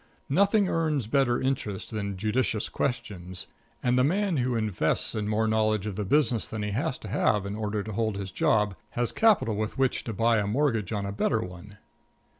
Nothing earns better interest than judicious questions, and the man who invests in more knowledge of the business than he has to have in order to hold his job has capital with which to buy a mortgage on a better one.